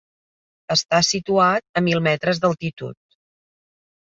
Està situat a mil metres d'altitud.